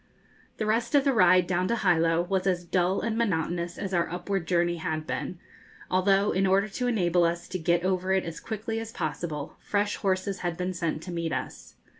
The rest of the ride down to Hilo was as dull and monotonous as our upward journey had been, although, in order to enable us to get over it as quickly as possible, fresh horses had been sent to meet us.